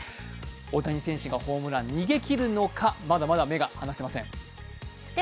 大谷選手がホームラン逃げきるのかまだまだ目が離せません。